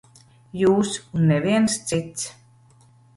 Jūs un neviens cits.